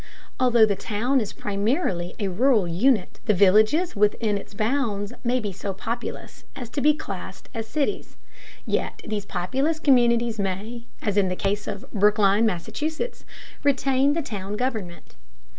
Although the town is primarily a rural unit, the villages within its bounds may be so populous as to be classed as cities. Yet these populous communities may, as in the case of Brookline, Massachusetts, retain the town government.